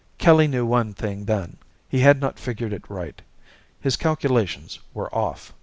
Kelly knew one thing then. He had not figured it right. His calculations were off.